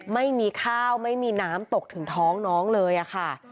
ไม่มีข้าวไม่มีน้ำตกถึงท้องน้องเลยค่ะ